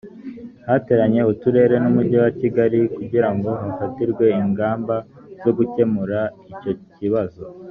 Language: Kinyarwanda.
hateranye uturere n’umujyi wa kigali kugirango hafatirwe ingamba zo gukemura icyo kibazo